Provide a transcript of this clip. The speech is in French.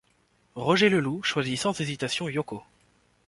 Roger Leloup choisit sans hésitation Yoko.